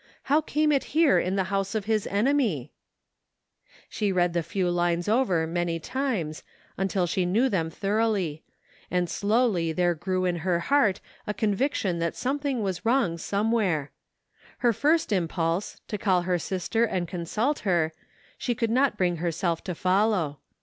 How came it here in the house of his enemy ? She read the few lines over many times, until she 112 THE FINDING OF JASPER HOLT knew them thoroughly; and slowly there grew in her heart a conviction that something was wrong some where. Her first impulse, to call her sister and consult her, she could not bring herself to f ollpw.